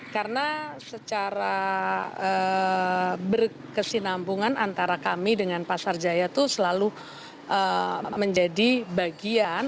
karena secara berkesinambungan antara kami dengan pasar jaya itu selalu menjadi bagian